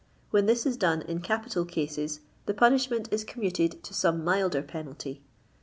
When this is done in capital cases, the pu nishment is commuted to some milder penalty.